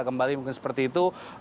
kembali mungkin seperti itu